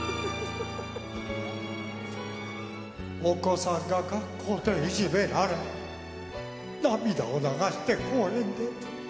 お子さんが学校でいじめられ涙を流して公園に。